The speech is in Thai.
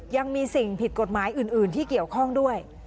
ยังมีสิ่งผิดกฎหมายอื่นที่เกี่ยวข้องด้วย